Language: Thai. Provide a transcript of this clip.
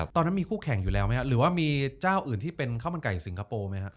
ตอนนั้นมีคู่แข่งอยู่แล้วไหมครับหรือว่ามีเจ้าอื่นที่เป็นข้าวมันไก่สิงคโปร์ไหมฮะ